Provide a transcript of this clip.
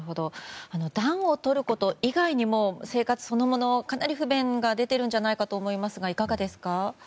暖をとること以外にも生活そのものかなり不便が出ていると思いますがどうですか。